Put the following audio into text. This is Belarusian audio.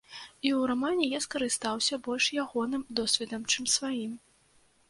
І ў рамане я скарыстаўся больш ягоным досведам, чым сваім.